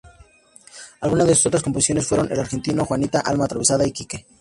Algunas de sus otras composiciones fueron "El Argentino", "Juanita", "Alma atravesada" y "Quique".